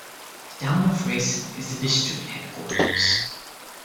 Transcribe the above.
The town of Raisen is the district headquarters.